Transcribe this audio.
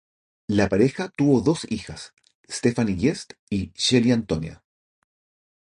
La pareja tuvo dos hijas: Stephanie Guest y Shelly Antonia.